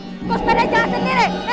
kok sepeda jangan sendiri